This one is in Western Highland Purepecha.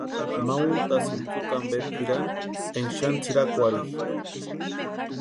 Ma untasïnti tsukwa ampe pʼirani énka xani tsʼirakwarhikʼa.